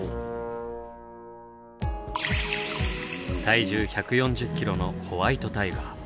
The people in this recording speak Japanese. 体重１４０キロのホワイトタイガー。